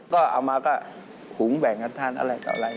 ก็เอามาก็หุงแบ่งกันทานอะไรต่ออะไร